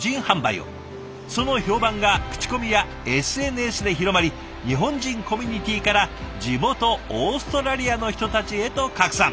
その評判が口コミやＳＮＳで広まり日本人コミュニティーから地元オーストラリアの人たちへと拡散。